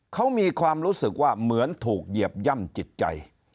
เขามีความรู้สึกว่าเหมือนถูกเหยียบย่ำจิตใจ